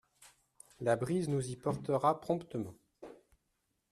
La brise nous y portera promptement.